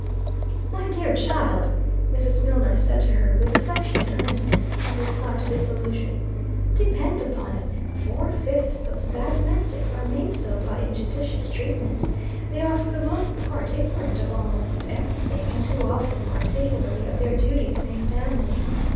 "My dear child!" Mrs. Milnor said to her, with affectionate earnestness, in reply to this allusion "depend upon it, four fifths of the bad domestics are made so by injudicious treatment. They are, for the most part, ignorant of almost every thing, and too often, particularly, of their duties in a family.